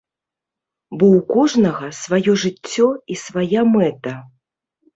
Бо ў кожнага сваё жыццё і свая мэта.